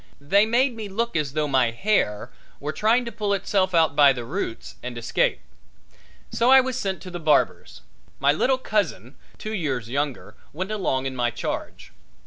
They made me look as though my hair were trying to pull itself out by the roots and escape. So I was sent to the barber's. My little cousin, two years younger, went along in my charge.